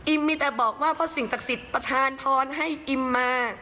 มีแต่บอกว่าเพราะสิ่งศักดิ์สิทธิ์ประธานพรให้อิมมา